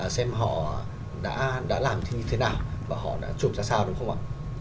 xem họ đã làm thì như thế nào và họ đã chụp ra sao đúng không ạ